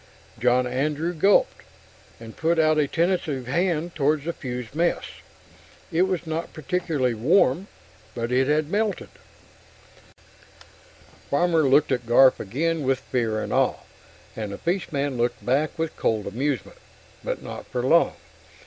John Andrew gulped, and put out a tentative hand toward the fused mess. It was not particularly warm but it had melted. Farmer looked at Garf again with fear and awe, and the fishman looked back with cold amusement. But not for long.